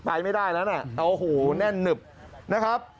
ไปไม่ได้แล้วนะโอ้โหแน่นหนึบนะครับ